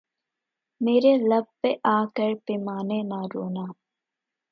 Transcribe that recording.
میرے لب پہ آ کر پیمانے نہ رونا